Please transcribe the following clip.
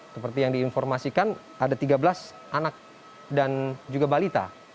seperti yang diinformasikan ada tiga belas anak dan juga balita